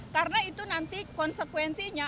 karena itu nanti konsekuensinya